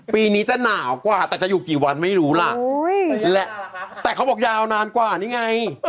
ปีนี้จะหนาวกว่าแต่จะอยู่กี่วันไม่รู้ล่ะแต่เขาบอกยาวนานกว่านี่ไง